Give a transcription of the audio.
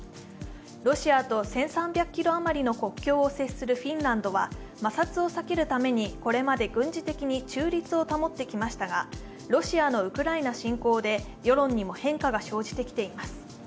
ロシアと１３００ｋｍ余りの国境を接するフィンランドは摩擦を避けるためにこれまでに軍事的に中立を保ってきましたがロシアのウクライナ侵攻で世論にも変化が生じてきています。